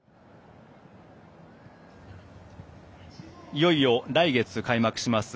いよいよ来月開幕します